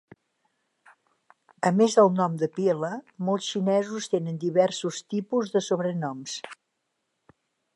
A més del nom de pila, molts xinesos tenen diversos tipus de sobrenoms.